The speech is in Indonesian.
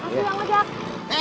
ibu mau ke warung